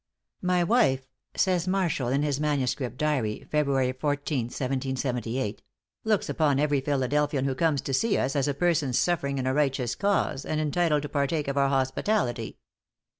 "My wife," says Marshall in his manuscript diary, February 14th, 1778, "looks upon every Philadelphian who comes to see us as a person suffering in a righteous cause, and entitled to partake of our hospitality."